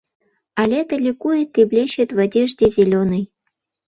А лето ликует и блещет в одежде зелёной...